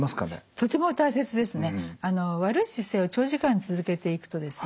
とても大切ですね。